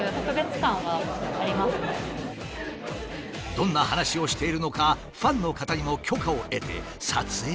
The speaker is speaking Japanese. どんな話をしているのかファンの方にも許可を得て撮影させてもらった。